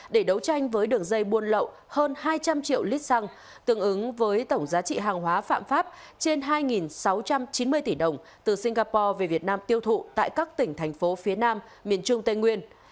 để đấu tranh với đường dây buôn lậu hơn hai trăm linh triệu lít xăng tương ứng với tổng giá trị hàng hóa phạm pháp trên hai sáu trăm chín mươi tỷ đồng từ singapore về việt nam tiêu thụ tại các tỉnh thành phố phía nam miền trung tây nguyên